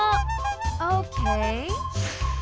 オーケー。